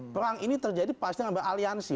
perang ini terjadi pasti ambil aliansi